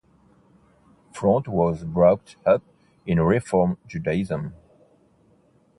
Front was brought up in Reform Judaism.